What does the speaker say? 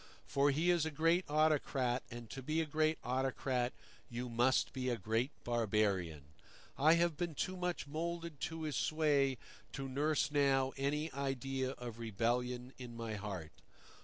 For he is a great autocrat, and to be a great autocrat you must be a great barbarian. I have been too much moulded to his sway to nurse now any idea of rebellion in my heart.